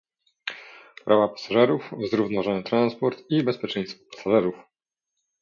prawa pasażerów, zrównoważony transport i bezpieczeństwo pasażerów